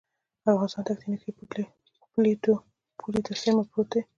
افغانستان تکتونیکي پلیټو پولې ته څېرمه پروت دی